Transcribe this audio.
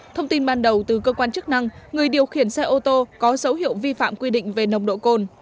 thông tin ban đầu từ cơ quan chức năng người điều khiển xe ô tô có dấu hiệu vi phạm quy định về nồng độ cồn